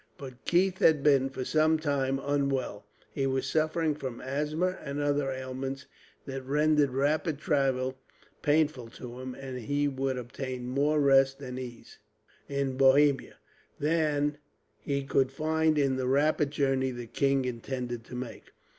But Keith had been, for some time, unwell. He was suffering from asthma and other ailments that rendered rapid travel painful to him; and he would obtain more rest and ease, in Bohemia, than he could find in the rapid journey the king intended to make.